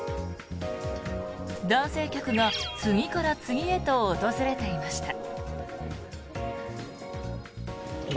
男性客が次から次へと訪れていました。